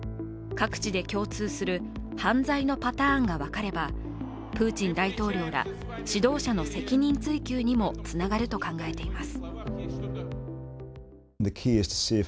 各地で共通する犯罪のパターンがわかればプーチン大統領ら指導者の責任追及にも繋がると考えています。